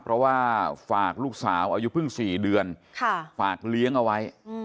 เพราะว่าฝากลูกสาวอายุเพิ่ง๔เดือนฝากเลี้ยงเอาไว้